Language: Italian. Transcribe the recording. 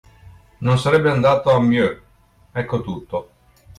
Non sarebbe andato a Meaux, ecco tutto;